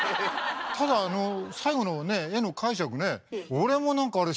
ただ最後のね絵の解釈ね